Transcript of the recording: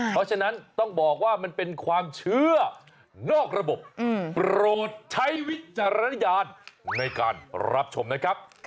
เพราะฉะนั้นต้องบอกว่ามันเป็นความเชื่อนอกระบบโปรดใช้วิจารณญาณในการรับชมนะครับ